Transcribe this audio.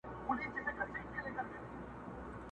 د هلک موري جنتي شې!